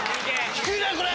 低いねこれ！